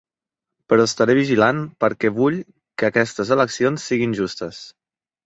Però estaré vigilant, perquè vull que aquestes eleccions siguin justes.